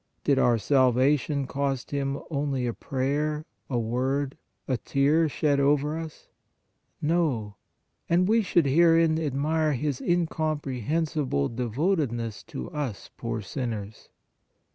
Did our salvation cost Him only a prayer, a word, a tear shed over us? No; and we should herein admire His incomprehensible devotedness to us, poor sin 186 PRAYER ners.